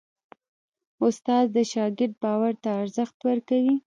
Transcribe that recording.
استاد د شاګرد باور ته ارزښت ورکوي.